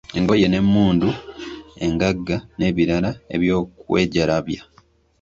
Engoye n'emmundu, engaga n'ebirala eby'okwejalabya.